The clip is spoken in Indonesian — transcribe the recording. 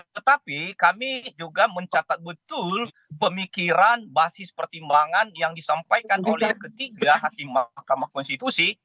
tetapi kami juga mencatat betul pemikiran basis pertimbangan yang disampaikan oleh ketiga hakim mahkamah konstitusi